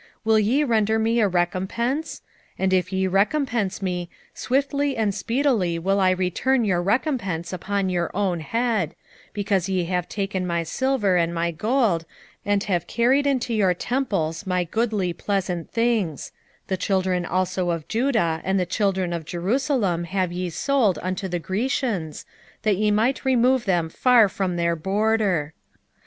will ye render me a recompence? and if ye recompense me, swiftly and speedily will I return your recompence upon your own head; 3:5 Because ye have taken my silver and my gold, and have carried into your temples my goodly pleasant things: 3:6 The children also of Judah and the children of Jerusalem have ye sold unto the Grecians, that ye might remove them far from their border.